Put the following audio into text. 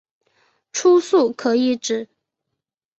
初速可以指